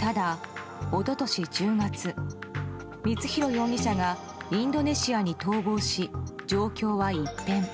ただ一昨年１０月光弘容疑者がインドネシアに逃亡し状況は一変。